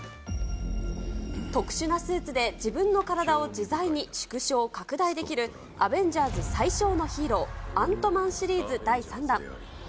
特殊なスーツで自分の体を自在に縮小、拡大できる、アベンジャーズ最小のヒーロー、アントマンシリーズ第３弾。